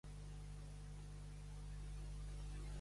Quan va tornar a Illiois, va fundar un bufet d'advocats a Chicago.